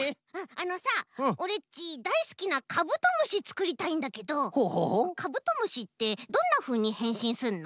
あのさオレっちだいすきなカブトムシつくりたいんだけどカブトムシってどんなふうにへんしんすんの？